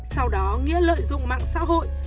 sau đó nghĩa lợi dụng mạng xã hội